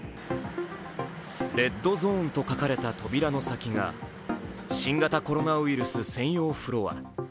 レッドゾーンと書かれた扉の先が新型コロナウイルス専用のフロア。